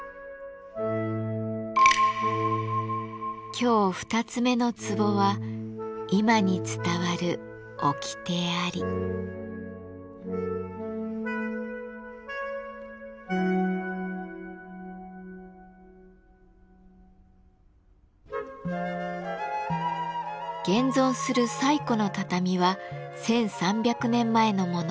今日二つ目のツボは現存する最古の畳は１，３００年前のもの。